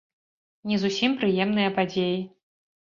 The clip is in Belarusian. Не зусім прыемныя падзеі.